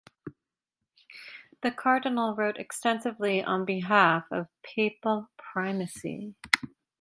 The cardinal wrote extensively on behalf of papal primacy.